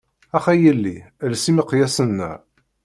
Ax a yelli els imeqyasen-a.